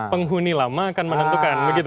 penghuni lama akan menentukan